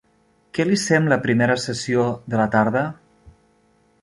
Què li sembla a primera sessió de la tarda?